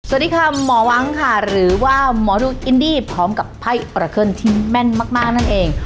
สวัสดีค่ะหมอวังค่ะหรือว่าหมอดูอินดี้พร้อมกับไพ่ประเคิลที่แม่นมากนั่นเอง